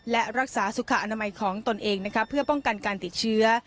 และรักษาสุขอนามัยของตนเองเพื่อป้องกันการติดเชื้อ